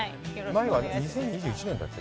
前は２０２１年だって？